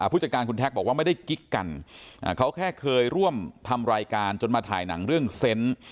ผู้จัดการคุณแท็กบอกว่าไม่ได้กิ๊กกันเขาแค่เคยร่วมทำรายการจนมาถ่ายหนังเรื่องเซนต์